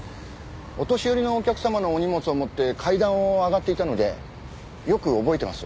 お年寄りのお客様のお荷物を持って階段を上がっていたのでよく覚えてます。